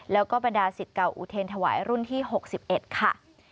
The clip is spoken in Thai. แล้วก็บรรดาศิษย์เก่าอุเทรนถวายรุ่นที่๖๑ค่ะ